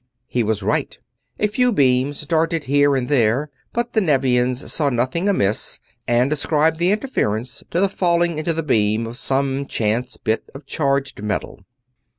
He was right. A few beams darted here and there, but the Nevians saw nothing amiss and ascribed the interference to the falling into the beam of some chance bit of charged metal.